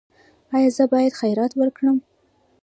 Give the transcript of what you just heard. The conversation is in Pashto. ایا زه باید خیرات ورکړم؟